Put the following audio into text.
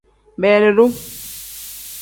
Beelidu.